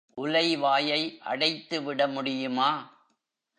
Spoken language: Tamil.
உலை வாயை அடைத்துவிட முடியுமா?